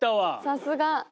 さすが。